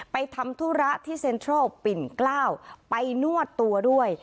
ทำธุระที่เซ็นทรัลปิ่นกล้าวไปนวดตัวด้วย